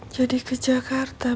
jadi ke jakarta